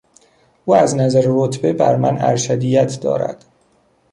او از نظر رتبه بر من ارشدیت دارد.